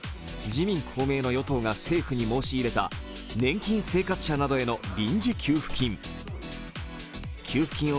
自民・公明の与党が政府に申し入れた年金生活者などへの臨時給付金。